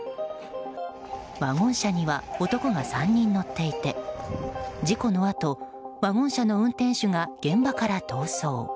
ワゴン車には男が３人乗っていて事故のあと、ワゴン車の運転手が現場から逃走。